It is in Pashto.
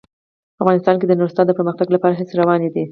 په افغانستان کې د نورستان د پرمختګ لپاره هڅې روانې دي.